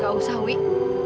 gak usah wih